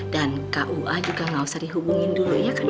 dan kua juga gak usah dihubungin dulu ya kan